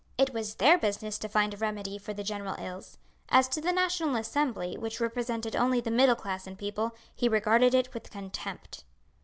It was their business to find a remedy for the general ills. As to the National Assembly which represented only the middle class and people, he regarded it with contempt.